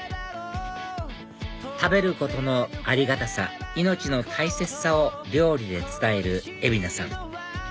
食べることのありがたさ命の大切さを料理で伝える蝦名さん